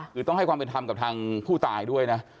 คือต้องให้ความเป็นธรรมกับทางผู้ตายด้วยนะ